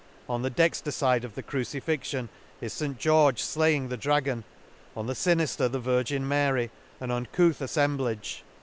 — On the dexter fide of the crucifixion is St George flaying the dragon, on the finifler the Virgin Mary j an uncouth aflemblage.